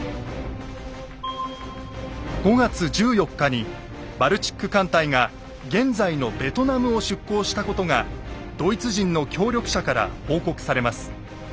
５月１４日にバルチック艦隊が現在のベトナムを出航したことがドイツ人の協力者から報告されます。